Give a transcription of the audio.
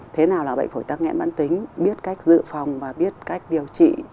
thế nào là bệnh phổi tắc nhém mạng tính biết cách dự phòng và biết cách điều trị